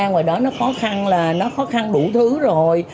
ngoài đó nó khó khăn là nó khó khăn đủ thứ rồi